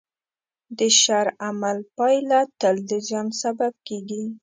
د شر عمل پایله تل د زیان سبب کېږي.